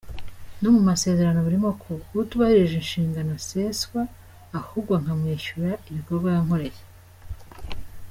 No mu masezerano birimo ko utubahirije inshingano aseswa, ahubwo nkamwishyura ibikorwa yankoreye.